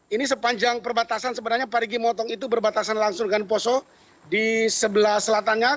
ini sepanjang perbatasan sebenarnya parigi motong itu berbatasan langsung dengan poso di sebelah selatannya